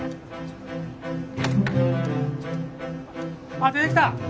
あっ出てきた！